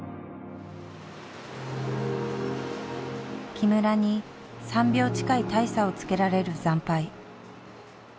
木村に３秒近い大差をつけられる惨敗。